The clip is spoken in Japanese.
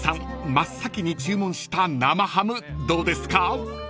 真っ先に注文した生ハムどうですか？］